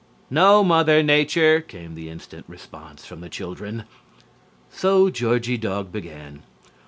"No, Mother Nature!" came the instant response from the children. So Georgie Dog began.